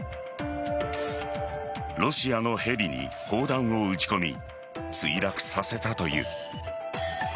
ロシアのヘリに砲弾を撃ち込み墜落させたという。